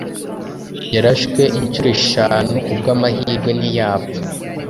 yarashwe inshuro eshanu ku bw’amahirwe ntiyapfa